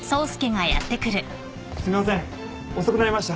すみません遅くなりました。